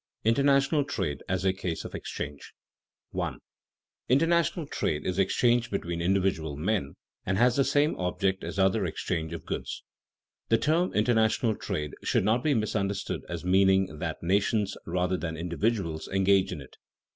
INTERNATIONAL TRADE AS A CASE OF EXCHANGE [Sidenote: The motive of individual gain in foreign trade] 1. International trade is exchange between individual men, and has the same object as other exchange of goods. The term international trade should not be misunderstood as meaning that nations rather than individuals engage in it.